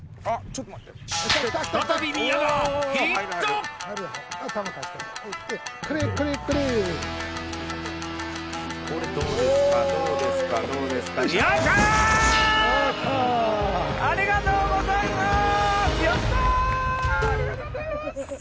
ありがとうございます。